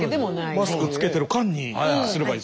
マスクをつけてる間にすればいい。